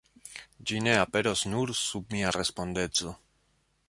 Ĝi ne aperos nur sub mia respondeco.